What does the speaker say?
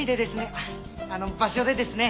ああの場所でですね。